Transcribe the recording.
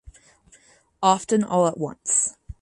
Often all at once.